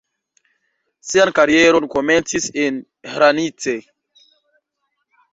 Sian karieron komencis en Hranice.